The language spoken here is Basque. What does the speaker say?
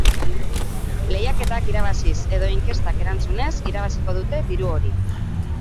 Lehiaketak irabaziz edo inkestak erantzunez irabaziko dute diru hori.